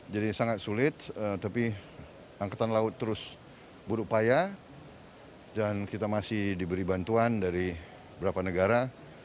jadi sangat sulit tapi angketan laut terus berupaya dan kita masih diberi bantuan dari beberapa negara